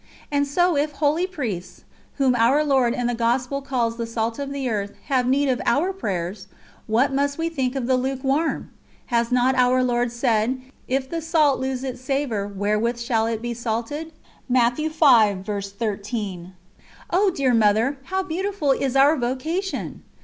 And so if holy Priests, whom Our Lord in the Gospel calls the salt of the earth, have need of our prayers, what must we think of the lukewarm? Has not Our Lord said: "If the salt lose its savour wherewith shall it be salted?" Oh, dear Mother, how beautiful is our vocation!